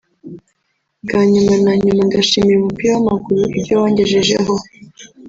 Bwa nyuma na nyuma ndashimira umupira w’amaguru ibyo wangejejeho